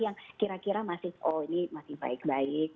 yang kira kira masih oh ini masih baik baik